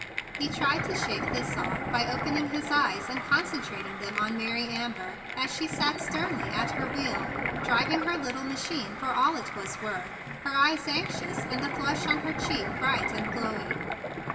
He tried to shake this off by opening his eyes and concentrating them on Mary Amber as she sat sternly at her wheel, driving her little machine for all it was worth, her eyes anxious, and the flush on her cheek bright and glowing.